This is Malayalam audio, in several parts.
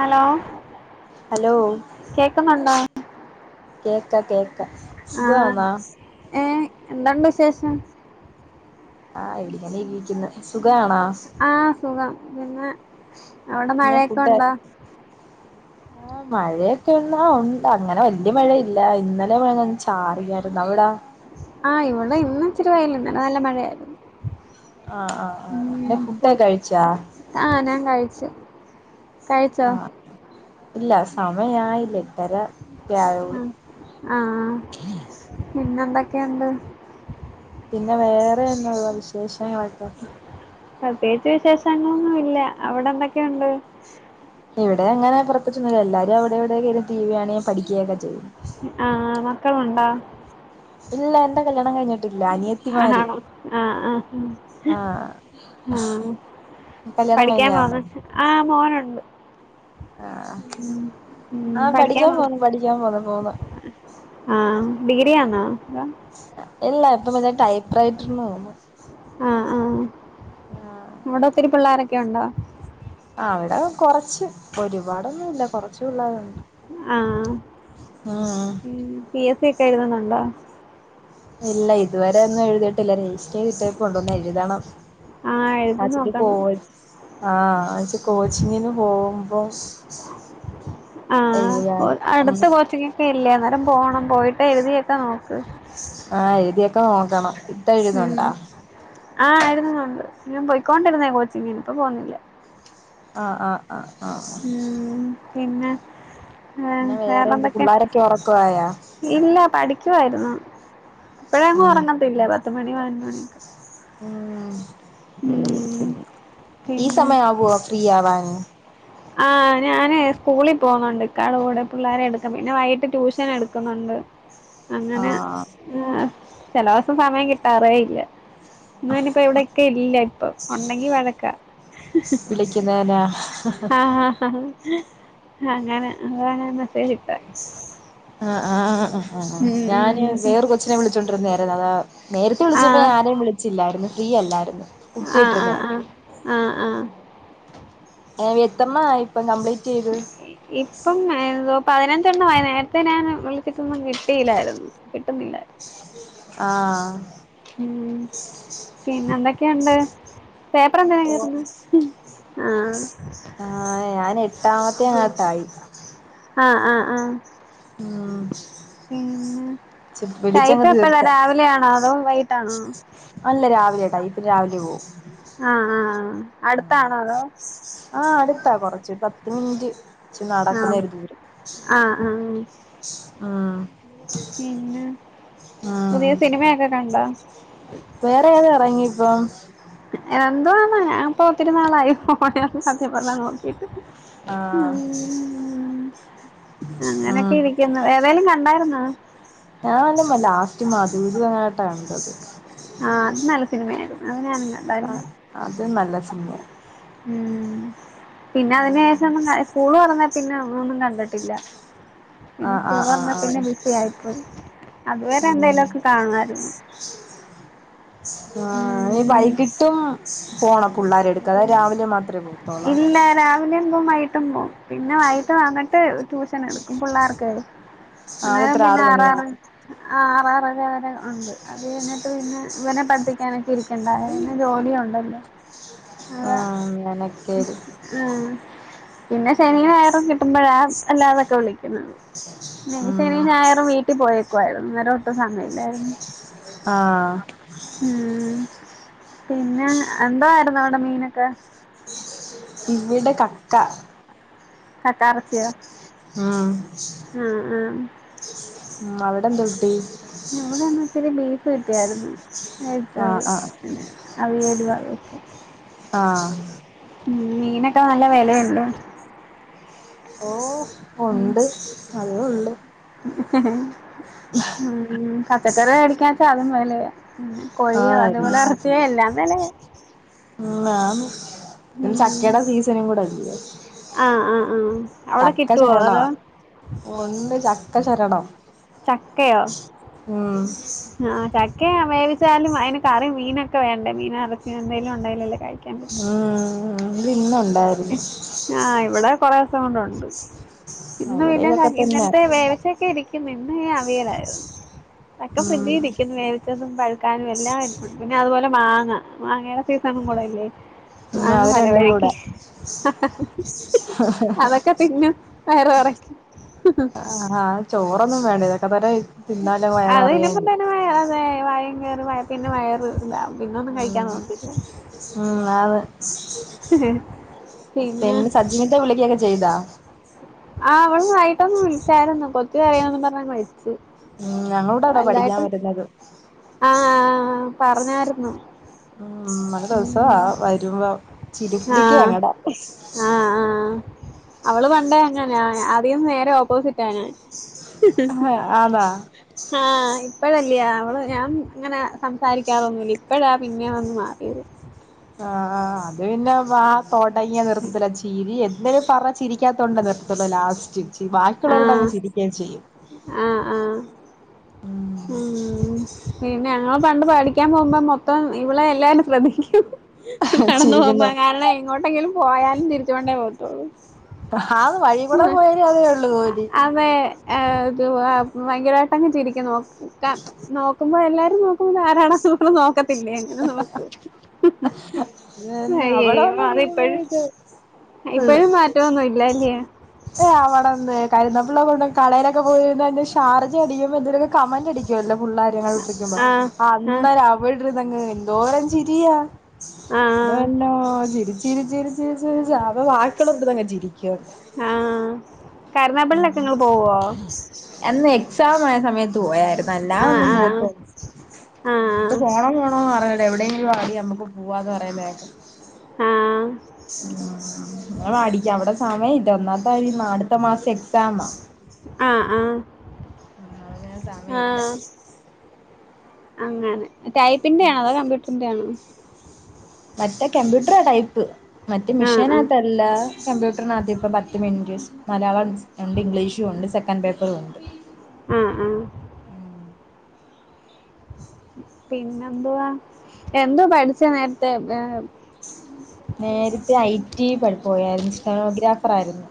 ഹലോ ഹലോ കേക്കുന്നുണ്ടോ കേക്ക കേക്ക സുഖമാ എന്താണ്ട വിശേഷം ആഹ് എവിടിക്കനെ ഇവിക്കുന്നത് സുഖ ആണോ ആഹ സുഖം പിന്നെ അവിടെ മഴയൊക്കെ ഉണ്ടോ ആ് മഴയൊക്കെ ഒന്നാ ഉണ്ട് അങ്ങനെ വല്യ മഴയില്ല ഇന്നലെ മഴ ഞ ചാറിയരുന്നു അവ കുത്ത ആഹ് ഇവിടെ ഇന്ന ഇച്ചിരി വയല ഇന്നല്ലെ നല്ല മഴയായിരുന്നു ആഹ് ആഹ് ആഹ് പിന്നെ ഫുഡൊക്കെ ഉ കഴിച്ചാ ആഹ ഞാൻ കഴിച്ച ആഹ ഇല്ല സമയായില്ല ഇട്ടര വ്യഴമുള്ളു ആഹ പിന്നെ എന്തൊക്കെയുണ്ട് പിന്നെ വേറെ എന്താ വിശേഷങ്ങളട്ടോ പ്രത്യേകിച്ച് വിശേഷങ്ങളൊന്നും ഇല്ല അവിടെ എന്തൊക്കെയുണ്ട് ഇവിടെ അങ്ങനെ പുറത്തൊന്നില്ല എല്ലാരും അവിടെ എവിടെയ ക ടി വി ആണെ ങ്ക പഠിക്കുകയൊക്കെ ചെയ്യും അക്കുണ്ടാ ഇല്ല എന്റെ കല്യാണം കഴിഞ്ഞിട്ട് ആഹ ആഹ ആഹ ആഹ് ആഹ കല്യാണം പഠിക്കാൻ കഴിഞ്ഞാന്നോ പോന്ന് ആഹ മോനുണ്ട് ആഹ ഉം ആഹ പഠിക്കാൻ പോന്ന പഠിക്കാൻ പോന്ന പോന്ന ആഹ ഡിഗ്രിയിയണോ ഇല്ല ഇപ്പൊ എാൻ ടൈപ്പ് റൈറ്റർന്ന് തോന്നുന്നു ആഹ ആഹ അവിടെ ഒത്തിരി പിള്ളോരൊക്കെ ഉണ്ടോ അവിടെ കൊറച്ച് ഒരുപാടൊന്നുംല്ല കൊറച്ച് പിള്ളേരുണ്ട് ആഹ ഉം പി എസ് സ ഒക്കെ എഴുതുന്നുണ്ടോ ഇല്ല ഇതുവരെ ഒന്നും എഴുതിയിട്ടില്ല രജിസ്റ്റർ ചെയ്തിട്ടേ കൊണ്ടുവന്ന എഴുതണം ആ എഴുതി ആച്ചിട്ട പോ നോക്കണം ആഹ ആച്ച കോച്ചിങ്ങിന് പോകുമ്പോ ആഹ അടുത്ത കോച്ചിങ്ങ ഒക്കെ ഇല്ലേ അന്നേരം പോണം പോയിട്ട് എഴുതിയൊക്കെ നോക്ക് ആഹ എഴുതിയൊക്കെ നോക്കണം ഇത്ത എഴുുന്നുണ്ടാ ആഹ് ആരുന്നുുന്നുണ്ട് ഇഞൻ പോൊയിക്കൊണ്ടിരുന്നേ കോച്ചിങ്ങിനി ഇപ്പോ പോുന്നില്ല ആ ആ അ ആ പിന്നെ വേറെ എന്ത് വേറെന്തൊക്കെ പിള്ളോരൊക്കെ ഉറക്കവായാ ഇല്ല പഠ ായിരുന്നു ഇപ്പഴേങ്ങും ഉം ഉറങ്ങത്തില്ല പത്തുമണി പതിന മണിയൊക്കെ ഉ ഉം ഈ പിന്നെ സമയ ആു അ ഫ്രീ ആവാന്ന് ആ് ഞാന് സ്കൂളിൽ പോകുന്നുണ്ട് ഇക്കാടെ കൂടെ പിള്ളേരെ എടുക്കും പിന്നെ വൈകിട്ട് ട്യൂഷൻ എടുക്കുന്നുണ്ട് അങ്ങനെ ആഹ് ചല ദസം സമയം കിട്ടാറേ ഇല്ല ഇന്ന്നിപ്പോ ഇവിടെൊക്കെ ഇല്ല ഇപ്പൊ ഉണ്ടെങ്കി വഴക്ക വിളിക്കുന്നേനാ ആ അങ്ങനെ അങ്ങ മെസേജ ഇട്ട ആ് ആ് ആ ആ്് ഉം ഞാന് ഉം വേറ കൊച്ചിനെ വിളിച്ചോണ്ടിരുന്നതരരുന്നു അതാ നേരത്തെ വിളിച്ചപ്പോ ആഹ് ഞാനെയും വിളിച്ചില്ലായിരുന്നു ഫ്രീ അല്ലായിരുന്നു ആഹ് കുട്ടിട്ടക്ക ആഹ് ആഹ് ആഹ് ആഹ് എത്തന ഇപ്പൊ കംപ്ലൈ ഇപ്പം ഏന്തോ പതിനഞ്ച് നേരത്തെ ഞാൻ വിളിച്ചിട്ടൊന്നും കിട്ടയില്ലായിരുന്നു കിട്ടുന്നില്ല ആഹ ഉം പിന്നെ എന്തൊക്കെയുണ്ട് പേപ്പർ എന്തിനാ ഓ കീറുന്നെ ആഹ് ആഹ ഞാൻ എട്ടാമത്തെ അങ്ങാത്തായി ആഹ് ആഹ ആഹ ആഹ പിെടിച്ചങ്ങ ടൈപ്പ് എപ്പഴാ തീർത്ത രാവിലെയാണോ അതോ വൈകിട്ടാണോ അല്ല രാവിലെ ട്ടാ ഇപ്പ രാവിലെ പോകവും ആഹ് ആഹ് ആ അടുത്താണോ അതോ ആഹ അടുത്താ കൊറച്ച ഒരു പത്ത് മിനിറ്റ് നടക്കുന്നൊ ആഹ് ഒരു ദൂരം ആഹ് ആഹ് ആഹ പിന്നെ പുതിയ ഉം സിനിമയൊക്കെ കണ്ട വേറെ ഏത ഇറങ്ങി ഇപ്പൊ എന്ത ആണ ഞാൻിപ്പോ ഒത്തിരി നാളായി പോ കഥേപ്പല്ലാം നോക്കിട്ട് ആഹ് അങ്ങനെയൊക്കെ ഉം ഇരിക്കുന്നു ഏതായാലും കണ്ടായിുന്ന ഞൻല്ല ലാസ്റ്റ് മ അധികതനട്ടാ കണ്ടത് ആഹ അത് നല്ല സിനിമയായിരുന്നു അത് ഞാനണ്ടായിരുന്നു ആഹ് അത് നല്ല സിനിമയാ ഉം പിന്നെ അതിന് ശേഷം സ്കൂൾ പറന്നാ പിന്നെ ൊന്നും കണ്ടിട്ടില്ല പിന്നെ ആഹ് സ്കൂൾ ആഹ് പറഞ്ഞ ആഹ് ആഹ് പിന്നെ ബിസി ആയിപ്പോയി അതുവരെ ഉം എന്തായലും ഒക്കെ കാണണരുന്നു ആ ന നീ വൈകിട്ടും പോണ പിള്ളരെ എടുക്ക അതായ രാവിലെ പോത്തോളോ ഇല്ല രാവിലെുമ്പ വൈട്ടും പോ പിന്നെ വൈകട്ട് വാങ്ങിട്ട് ട്യൂഷൻ എടുക്കും പിള്ളേർക്ക് നാളെ അന്നേരം എത്ര പിന്നെ ആറ് മണി ആറാ വരെ ആറാരെ ഉണ്ട് അത് എന്നിട്ട് പിന്നെ ഇവനെ പഠിപ്പിക്കാനൊക്കെ ഇരിക്കണ്ട പിെ ജോലിയ ഉണ്ടല്ലോ ആ നിനക്ക് ഉം പിന്നെ ശനന് വയറ കിട്ടുമ്പോഴാ അല്ലാതൊക്കെ വിളിക്കുന്നു ഉം നെസന ഞായറും വീട്ടിൽ പോയേക്കുവായിരുന്നു അങ്ങര ഒട്ടും സമയല്ലായിരുന്നു ആഹ് ഉം പിന്നെ എന്തോയിരുന്നു അവിടെ മീനൊക്കെ ഇവിടെ കക്ക കക്കറച്ച ഉം ആ ആ ഉം അവിടെ എന്ത് കിട്ടി ഞവിടെന്ന് ഇത്തിരി ബീഫ് കിട്ടിയരുന്നു എിച്ച ആഹ് ആഹ് പിന്നെ അവ എരുവക ആഹ മീനൊക്കെ നല്ല വിലയുല്ലോ ഓ ഉണ്ട് അതും ഉണ്ട് ഉ പച്ചക്കറി മേടിക്കാച്ച അതും പോലേ ഉ കോഴിയോ അതേപോലെ ഇറത്തിയോ എല്ലാന്നല്ലേ ഉ പിെ ഉം ചക്കയുടെ സീസണും കൂടെല്ല ആഹ് ആഹ് ആഹ് അവിടെ ചക്ക കിട്ടുവോ ശരണ അതോ ഒന്ന് ചക്ക ശരണം ഉം ആ ചക്കെ വേവിച്ചാലും അതിന് കറി മീനൊക്കെ വേണ്ടേ മീൻ അറച്ചി എന്തെങ്കലും ഉണ്ടായല്ലല്ലേ കഴിച്ച ആ ഇ ഇന്ന ആ് ഇവിടെ കൊറെേ ദിവസം കൊണ്ടുണ്ട് ഇന്ന് ഇവിടെ പിന്നെ ഇതൊക്കെ തന്നെ ഇന്നലത്തെ വേളച്ചക്കെ ഇരിക്കുന്നു ഇന്ന് അവിയലായിരുന്നു ഒക്കെ ഫ്രിഡ്ജി ഉം ഇരിക്കുന്നെ വേവിച്ചതും പഴുക്കാനും എല്ലാം എട്ത് അതുപോലെ മാങ്ങ മാങ്ങയുടെ സീസണും കൂടെല്ലേ ഉം മാങ്ങാ അത് പല രണ്ടും വഴിക്ക് കൂടെ അതൊക്കെ തിനും വയറ് നെറക്കും ആ ആ ചോറൊന്നും വേണ്ട തൊക്കെതന്നെ [unintelligible] പിന്നൊന്നും കഴിക്കാൻ ഉം തോന്നത്തില്ല ഉം ആന്ന് പിന്നെ സജ്ജിനോക്കെ വിളിക്കൊക്കെ ചെയ്താ ആ അവള് വൈകിട്ടോക്കെ വിളിച്ചായിരുന്നു കൊത്തി കയോന്ന് പറഞ് വേച്ച് ഉം അവ്‌ടടാ പഠിക്കാൻ വരുന്നത് ആ പറഞ്ഞായിരുന്നു ഉം നല്ല ദിവസവാ ഉം വരുമ്പോ ആ ചിരിപ്പിക്കാ അങ്ങടെ ആ ആ അവള് പണ്ടെ അങ്ങനാ ആദിൻ നേരെ ഓപ്പോസിറ്റാണ് ആന്നാ ഞാൻ ആ ഇപ്പഴ ഇ അവള് ഞാൻ ഇങ്ങനെ സംസാരിക്കാറൊന്നുല്ല ഇപ്പഴാ പിന്നെ ഒന്ന് മാറിയത് ആ ആ അത് പിന്നെ വ തോട്ടയ്യ നിർത്തല ചീരിം ഇന്തെ പറ ചിരിക്കാത്തുണ്ടല്ലത്തുള്ള ലാസ്റ്റ് ആ ബാക്കിയുള്ളവരോട് അങ്ങ് ചിരിക്കുകയും ചെയ്യും ആ ആ ഉം പിന്നെ [unintelligible] പണ്ട് പഠിക്കാൻ പോകുമ്പം മൊത്തം ഇവളെ എല്ലാരും ശ്രദ്ധിക്കും നടന്ന് പോകുമ്പ ചിരിക്കുന്ന കാരണം എങ്ങോട്ടെങ്കിലും പോയാലും ചിരിച്ച് കൊണ്ടേ പോവതോള്ളൂ ആത് വഴി കൂടെ [unintelligible] അതേ ഒള്ളു കോലി ത് ഭയങ്കരമായിട്ട് അങ്ങ് ചിരിക്കും നോക്ക നോക്കുമ്പോ എല്ലാരും നോക്കുബം ഇത് ആരാണ് പോലും നോക്ക പിന്നെ എങ്ങനെ നോക്കും പിന്നെ അയ്യേ അവിടെ മാറി വന്നിരിക്കുമ്പഴേ ഇപ്പഴും ഇത് ഇപ്പഴും മാറ്റഒന്നും ഇല്ലല്ലേ ഏ അവിടെന്ത് കരുന്നപ്പിള്ള കളയിലൊക്കെ പോയിര്ന്നെന്റെ ഷാർജ അടിയുമ്പോ ന്തേലൊക്കെ കമന്റ് അടിക്കുല്ലോ പുള്ളാരങ്ങ ഇട്ടിരിക്കുമ്പോ ആഹ് ആ ആഹ് അന്നേം അവിടിര്ന്നങ് എന്തോരം ചിരിയാ ആഹ് ഇല്ലോ ചിരിച്ചിരിച്ചിരിച്ചിരിച്ച് [unintelligible] ചിരിക്ക ആ കരുനാപള്ളിക്കെ ഇങ്ങള് പോവോ ഉത്സാഹമായ സമയത്ത് പോയര്ന്നു അല്ല ആഹ് ഒന്നും ആഹ് പോവത്തോന്നും ആഹ് ആഹ് പോണം പോണം എവിടെങ്കിലും ആദ്യം നമ്മക്ക് പോവാന്ന് പറയന്നെകേക്കാ ആ ഇങ്ങടിക്ക ഇവിടെ സമയം ഇല്ല ഒന്നാത്തെ അടുത്ത മാസം എക്സാമാ ആ ആ ഉം [unintelligible] സമയല്ല അങ്ങനെ ടൈപ്പിന്റെ ആണോ അതോ കമ്പ്യൂട്ടറിന്റെ ആണോ മറ്റേ കമ്പ്യൂട്ടറാ ടൈപ്പ് മറ്റേ ആഹ് ആഹ് മിഷീനകത്തല്ല കമ്പ്യൂട്ടറിനകത്ത് ഇപ്പ പത്ത് മിൻറ്റ് മലയാളം ണ്ട് രണ്ട് ഇംഗ്ലീഷു ഉണ്ട് സെക്കന്റ് പേപ്പറും ഉണ്ട് ആഹ് ആഹ് പിന്നെന്തുവാ എന്തോ പഠിച്ച നേരത്തെ ഇൻസ്റ്റണോഗ്രാഫറായിരുന്നു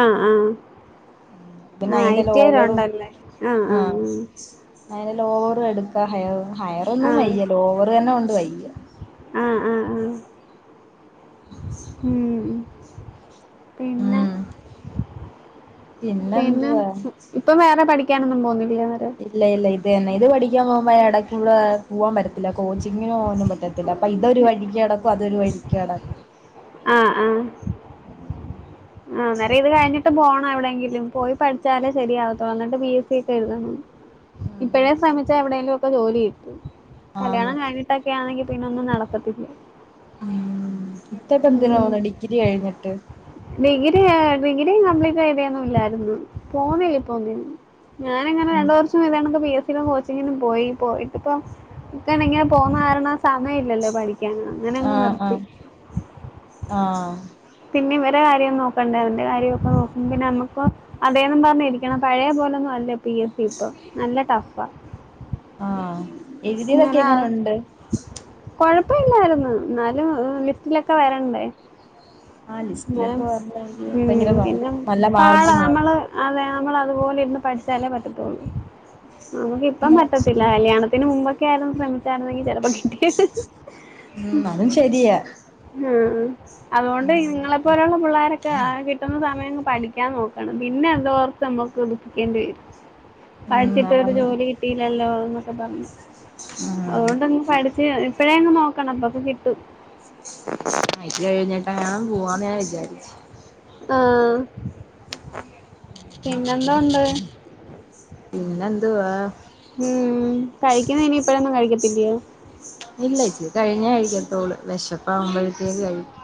ആ ആ പിന്നെ ആ അയിന്റെ ഐടിഎ ല് ലോവറും ഉണ്ടല്ലേ ആ ആ അയ്ന് ലോവറും എടുക്കാ ഹയർ ഹയർ ഒന്നും ആഹ് വയ്യ ലോവറ് തന്നെ കൊണ്ട് വയ്യ ആഹ് ആഹ് ആഹ് ആഹ് ഉം പിന്നെ ഉം പിന്നെ പിന്നെന്തുവാ ഇപ്പൊ വേറെ പഠി ക്കാനൊന്നും പോകു ഇല്ല ഇല്ല ഇത് തന്നെ ഇത് പഠിക്കാൻ പോകുമ്പോ എടയ്ക്കുള്ള പോകാൻ പറ്റത്തില്ല കോച്ചിങ്ങിനും ഒന്നും പറ്റ ത്തില്ല അപ്പം ഇതൊരു വഴിക്ക് അടക്കും അതൊരു വഴിക്ക് അട ആ ആ ആ നേരം ഇത് കഴിഞ്ഞിട്ട് പോണം എവിടെയെങ്കിലും പോയി പഠിച്ചാലേ ശരിയാവതൊള്ളൂ എന്നിട്ട് ബി എസ് സി ഒക്കെ എഴ്തണം ഉം ഇപ്പോഴേ ശ്രമിച്ചാ എവിടെേങ്കലും ഒക്കെ ജോലി കിട്ടും ആന്ന് കല്യാണം കഴിഞ്ഞിട്ടൊക്കൊണെങ്കി പിന്നെ ഒന്നും നടക്കത്തില്ല ഇത്തൊക്കെന്തിനാപോവുന്ന ഡിഗ്രി കഴിഞ്ഞിട്ട് ഡിഗ്രി ഡിഗ്രി കംപ്ലീറ്റ് ചെയ്തന്നും ഇല്ലായിരുന്നു പോന്നില്ല ഇപ്പൊ ഒന്നിനും ഞാനങ്ങനെ ഉം രണ്ട് വർഷം എഴതാണ് ബി എസ് കോച്ചിങ്ങിനന് പോയി പോയിട്ടപ്പ ഇ ഇങ്ങനെ പോകുന്ന കാരണ സമയ ഇല്ലല്ലോ പഠിക്കാൻ അങ്ങനെ അങ്ങ് ആഹ് നിർത്തി ആഹ് ആഹ് പിന്നെ ഇവരെകാര്യം നോക്കണ്ടേ അവന്റെ കാര്യമൊക്കെ നോക്കും പിന്നെ നമ്മുക്കും അതേന്നും പറഞ്ഞിരിക്കണം പഴയലെ [unintelligible] ലൊന്നും അല്ല പി എ സി ഇപ്പ നല്ല ടഫാ ആഹ് എഴുതിയതൊക്കെ എങ്ങനെഉണ്ട് ഇപ്പ ഇല്ലായിരുന്നു എന്നാലും ലിസ്റ്റിലൊക്കെ വരണ്ടേ ആഹ ലിസ്റ്റിലൊക്കെ എന്നാലും വരണം ഉം പിന്നെ പാട വേണം നമ്മള് അതെ നമ്മൾ അതുപോലെ ഇരുന്ന് പഠിച്ചാലേ പറ്റത്തുള്ളൂ നമുക്ക് ഇപ്പം പറ്റത്തില്ല കല്യാണത്തിന് മുമ്പ് ഇരുന്നു ശ്രമിച്ചായിരുന്നെങ്കി ചെലപ്പോ കിട്ടിയേനെ ഉം അതും ശരിയാ [inaudible] ആ അതുകൊണ്ട് നിങ്ങളെപ്പോലെയുള്ള പിള്ളാരൊക്കെ ആ കിട്ട കിട്ടുന്ന സമയം പഠിക്കാൻ നോക്കണം. പിന്നെ എന്തോർത്ത് നമ്മക്ക് ദുഃഖിക്കേണ്ടി വരും ഉം പഠിച്ചിട്ട് ഒരു ആന്ന് ജോലി കിട്ടില്ലല്ലോന്നൊക്കെ പറഞ്ഞു ആഹ് അതുകൊണ്ടങ്ങ് പഠിച്ച് ഇപ്പഴേ അങ്ങ് നോക്കണം അപ്പക്ക കിട്ടും മയിക്ക് കഴിഞ്ഞിട്ട ൻ പോവാന്ന് ഞാൻ വിചാരിച്ച് ആ പിന്നെന്താ ഉണ്ട് പിന്നെന്തുവാ ഉം കഴിക്കുന്ന ഇനിയിപ്പഴൊന്നും കഴിക്കത്തില്ലയോ ഇല്ല ചച്ചി കഴിഞ്ഞ കഴിക്ക തോള് വിഷപ്പ ആവുമ്പോഴത്തേക്ക് കഴിക്കും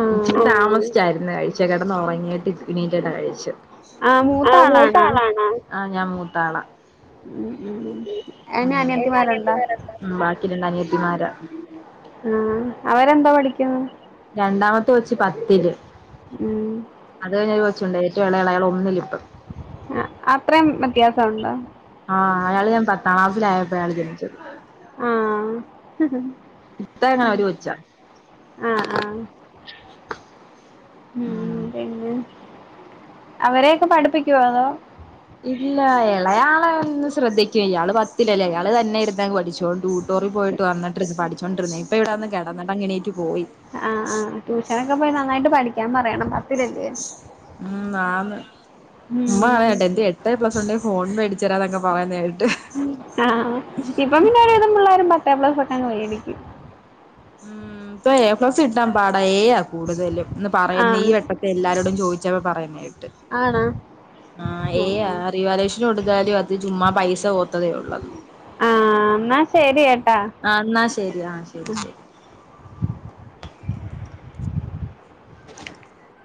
ആഹ് ഉച്ചക്ക് താമസിച്ചായിരുന്നു കഴിച്ച് കിടന്ന്ഉറങ്ങ ഇങ്ങട്ട് നിക്കണീന്റെ കഴിച്ച് ആഹ് മൂത്ത ആളാണാ ആ ഞാൻ മൂത്താളാ ഉം ഉം ഉ ഇ ഇനി അനിയത്തിമാരുണ്ടോ ബാക്കി രണ്ട അനിയത്തിമാരാ ആ അവരെന്താ പഠിക്കുന്നു രണ്ടാമത്തെ കൊച്ച് പത്തില്ല് ഉം അത് കഴിഞ്ഞരു കൊച്ചുണ്ട് ഏറ്റവും ഇളയആൾ ഒന്നിലിപ്പം ആ അത്രയം വ്യത്യാസംഉണ്ടോ ആഹ അയാള് ഞാൻ പത്താം ക്ലാസ്സിസിലായപ്പോഴാണ് അയാള് ജനിച്ചത് ആഹ ഇത്താ എങ്ങാനും ഒരു കൊച്ചാ ആഹ ഉം അവരെയൊക്കെ പഠിപ്പിക്കുവോ അതോ ഇല്ല ഇളയാള ഒന്ന് ശ്രദ്ധിക്കും ഇയാള് പത്തിലല്ലേ ഇയാള് തന്നെ ഇരുന്നെ പഠിച്ചോണ്ട്ട്ട കൊറി പോയിട്ട് വന്നിട്ട് പഠിച്ചുകൊ ഇപ്പ ഇവിടെന്ന് കിടന്ന്‌ അങ്ങന് ആ ആ ട്യൂഷനൊക്കെ പോയി നന്നായിട്ട് പഠിക്കാൻ പറയണം പത്തിലല്ലേ ഉം ആന്ന്‌ ഉമ്മ ഉം അഏട്ടത്തി എട്ട് എ പ്ലസ്ഉണ്ടങ്കിൽ ഫോൺ മേടിച്ച തരാന്നൊക്കെ പറയുന്നേട്ട് ആ ഇപ്പം പിന്നെ ഒരു വിതം പിള്ളേരും പത്ത് എപ്ലസ് അങ്ങ് വേടിക്കും ഉം ഇപ്പൊ എ പ്ലസ് കിട്ടാൻ പാട എ ആണ് കൂടുതൽ എന്ന് പറയുന്ന ഈ വെട്ടത്തെ എല്ലാരോടും ചോദിച്ചവ പറയുന്നെ ആണാ ആ എ റിവാലേഷൻ കൊടുത്താലും അത് ചുമ്മാ പൈസ പോകത്തതെ ഉള്ളു ആ എന്നാ ശ ആ എന്നാ ശരി ആ ശരി ശരി [unintelligible]